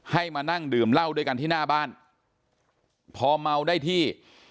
มานั่งดื่มเหล้าด้วยกันที่หน้าบ้านพอเมาได้ที่